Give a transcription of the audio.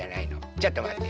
ちょっとまって。